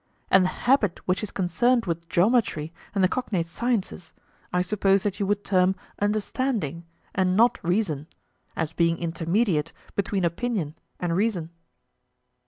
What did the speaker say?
And the habit which is concerned with geometry and the cognate sciences I suppose that you would term understanding and not reason, as being intermediate between opinion and reason.